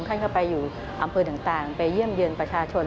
ท่านก็ไปอยู่อำเภอต่างไปเยี่ยมเยือนประชาชน